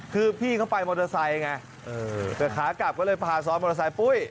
คือพี่เขาไปมอเตอร์ไซค์ไงแต่ขากลับก็เลยพาซ้อนมอเตอร์ไซคุ้ย